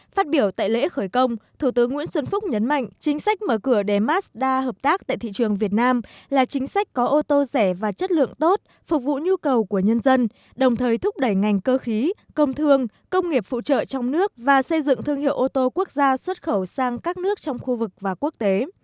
phát biểu tại lễ khởi công thủ tướng nguyễn xuân phúc nhấn mạnh chính sách mở cửa để mazda hợp tác tại thị trường việt nam là chính sách có ô tô rẻ và chất lượng tốt phục vụ nhu cầu của nhân dân đồng thời thúc đẩy ngành cơ khí công thương công nghiệp phụ trợ trong nước và xây dựng thương hiệu ô tô quốc gia xuất khẩu sang các nước trong khu vực và quốc tế